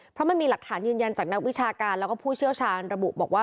เพราะมันมีหลักฐานยืนยันจากนักวิชาการแล้วก็ผู้เชี่ยวชาญระบุบอกว่า